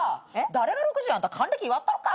誰が６０よあんた還暦祝ったろか？